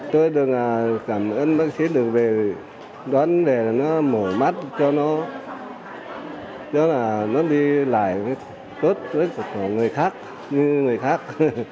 tôi cảm ơn bác sĩ được đón về nó mổ mắt cho nó đi lại tốt hơn người khác